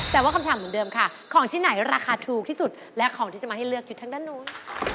แต่ว่าคำถามเหมือนเดิมค่ะของที่ไหนราคาถูกที่สุดและของที่จะมาให้เลือกอยู่ทางด้านนู้น